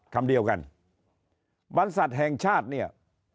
คำเดียวกันบรรษัทแห่งชาติเนี่ย